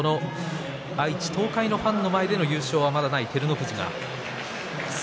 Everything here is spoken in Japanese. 愛知東海のファンの前での優勝はまだありません。